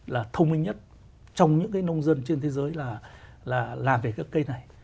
là thông minh nhất trong những cái nông dân trên thế giới là làm về các cây này